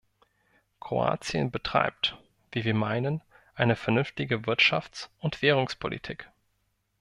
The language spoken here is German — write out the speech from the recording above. Kroatien betreibt, wie wir meinen, eine vernünftige Wirtschafts- und Währungspolitik.